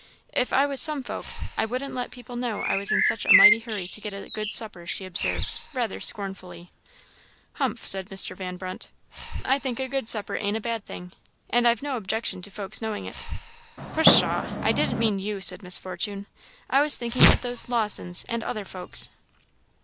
"If I was some folks, I wouldn't let people know I was in such a mighty hurry to get a good supper," she observed, rather scornfully. "Humph!" said Mr. Van Brunt; "I think a good supper ain't a bad thing, and I've no objection to folk's knowing it." "Pshaw! I didn't mean you," said Miss Fortune; "I was thinking of those Lawsons, and other folks."